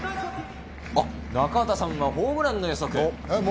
中畑さんはホームランの予測。